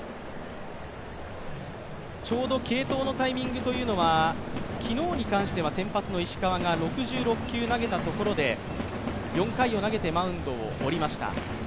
ちょうど継投のタイミングというのは昨日に関しては先発の石川が６６球投げたところで４回を投げてマウンドを降りました。